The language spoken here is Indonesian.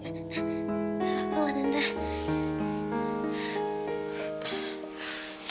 gak apa apa tante